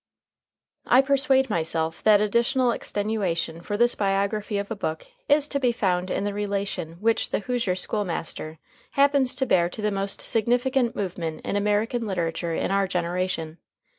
I persuade myself that additional extenuation for this biography of a book is to be found in the relation which "The Hoosier School Master" happens to bear to the most significant movement in American literature in our generation.